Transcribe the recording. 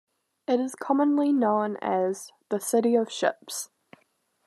It is commonly known as The City of Ships.